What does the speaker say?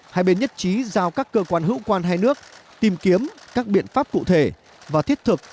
hai bên nhất trí giao các cơ quan hữu quan hai nước tìm kiếm các biện pháp cụ thể và thiết thực